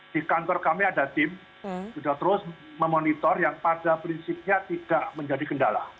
di kantor kami ada tim sudah terus memonitor yang pada prinsipnya tidak menjadi kendala